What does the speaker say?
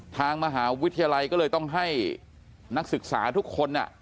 ทางมหาวิทยาลัยก็เลยต้องให้นักศึกษาทุกคน